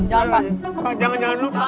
jalan pak jangan lupa